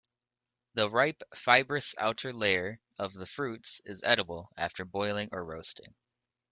The ripe fibrous outer layer of the fruits is edible after boiling or roasting.